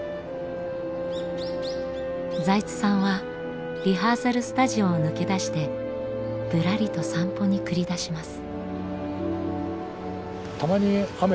財津さんはリハーサルスタジオを抜け出してぶらりと散歩に繰り出します。